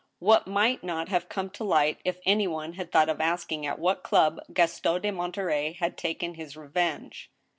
What might not have come to light if any one had thought of asking at what club Gaston de Monterey had taken his revenge